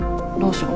仕事。